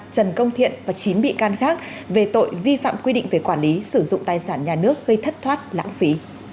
trần công thiện và chín bị can khác về tội vi phạm quy định về quản lý sử dụng tài sản nhà nước gây thất thoát lãng phí